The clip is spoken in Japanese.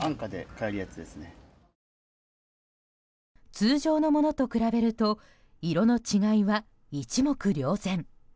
通常のものと比べると色の違いは一目瞭然。